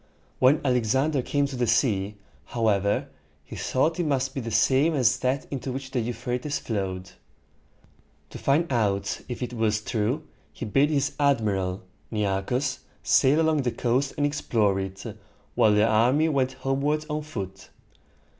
When Alexander came to the sea, however, he thought it must be the same as that into which the Euphrates flowed. To find out if this was true, he bade his admiral, Ne ar´chus, sail along the coast and explore it, while the army went homeward on foot.